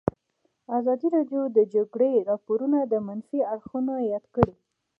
ازادي راډیو د د جګړې راپورونه د منفي اړخونو یادونه کړې.